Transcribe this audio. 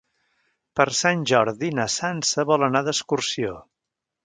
Per Sant Jordi na Sança vol anar d'excursió.